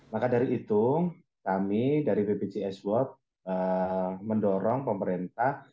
maka dari itu kami dari bpjs walt mendorong pemerintah